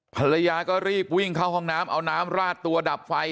ภรรยาก็รีบวิ่งเข้าห้องน้ำเอาน้ำราดตัวดับไฟ